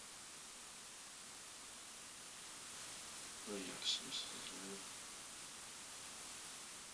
• “Farzand muborak!” dedi tulki tovuqqa. “Rahmat! ― dedi u ― faqat, xudo haqi, mendan uzoqda yur”.